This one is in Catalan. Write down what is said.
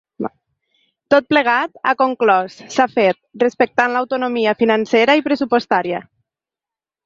Tot plegat, ha conclòs, s’ha fet, respectant l’autonomia financera i pressupostària.